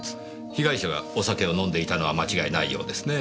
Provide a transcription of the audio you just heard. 被害者がお酒を飲んでいたのは間違いないようですね。